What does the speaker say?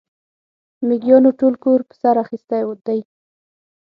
مېږيانو ټول کور پر سر اخيستی دی.